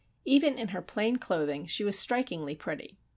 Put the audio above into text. Even in her plain clothing she was strikingly pretty.